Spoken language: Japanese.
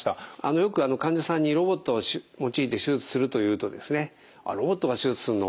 よく患者さんにロボットを用いて手術すると言うと「ロボットが手術するの？